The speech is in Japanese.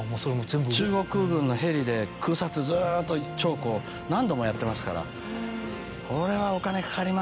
中国軍のヘリで空撮ずっと長江何度もやってますから。